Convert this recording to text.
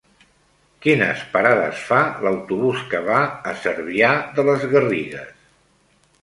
Quines parades fa l'autobús que va a Cervià de les Garrigues?